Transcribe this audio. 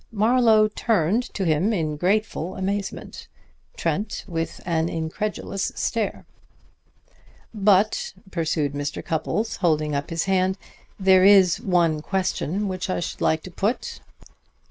Marlowe turned to him in grateful amazement, Trent with an incredulous stare. "But," pursued Mr. Cupples, holding up his hand, "there is one question which I should like to put."